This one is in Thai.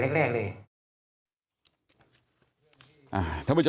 ที่ผมได้มาตั้งแต่แรกเลย